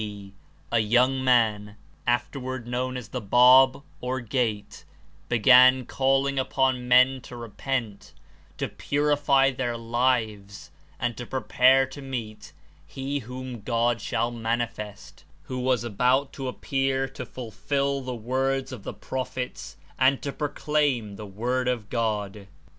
D., a young man, after ward known as The Bab, or Gate, began calling upon men to repent, to purify their lives and to prepare to meet — "He whom God shall manifest," who was about to appear to fulfil the words of the prophets and to proclaim the Word of God.